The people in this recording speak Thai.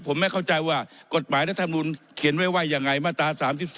ผมไม่เข้าใจว่ากฎหมายรัฐมนุนเขียนไว้ว่ายังไงมาตรา๓๔